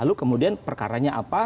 lalu kemudian perkaranya apa